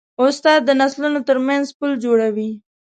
استاد د نسلونو ترمنځ پل جوړوي.